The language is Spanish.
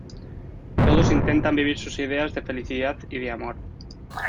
Todos intentan vivir sus ideas de felicidad y de amor.